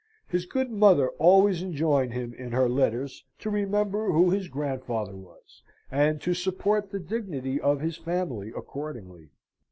His good mother always enjoined him in her letters to remember who his grandfather was, and to support the dignity of his family accordingly.